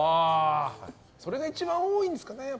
それが一番多いんですかね。